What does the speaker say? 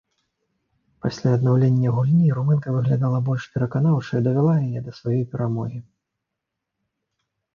Пасля аднаўлення гульні румынка выглядала больш пераканаўча і давяла яе да сваёй перамогі.